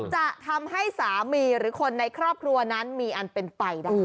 จะทำให้สามีหรือคนในครอบครัวนั้นมีอันเป็นไปได้